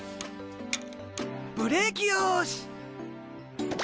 ブレーキよし。